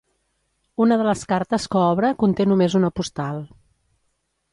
Una de les cartes que obre conté només una postal.